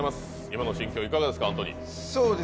今の心境、いかがですか？